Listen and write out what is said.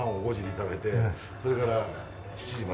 それから。